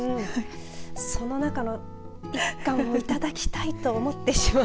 その中の１貫をいただきたいと思ってしまう。